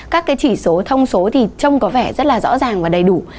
các cái chỉ số thông số thì trông có vẻ rất là rõ ràng và đầy đủ